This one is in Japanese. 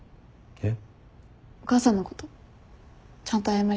えっ？